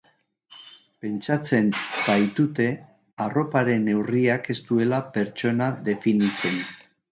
Pentsatzen baitute arroparen neurriak ez duela pertsona definitzen.